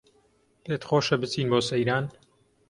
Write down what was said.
پێتخۆشە بچین بۆ سەیران